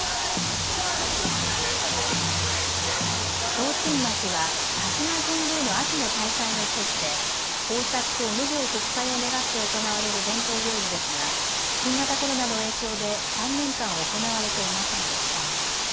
提灯まちは鹿島神宮の秋の大祭の１つで豊作と無病息災を願って行われる伝統行事ですが新型コロナの影響で３年間、行われていませんでした。